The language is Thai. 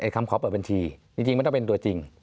คำขอเปิดบัญชีจริงมันต้องเป็นตัวจริง